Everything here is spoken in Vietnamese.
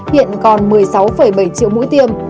hiện còn một mươi sáu bảy triệu mũi tiêm